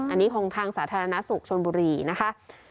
อันนี้ของทางสาธารณสุขชนบุรีนะคะ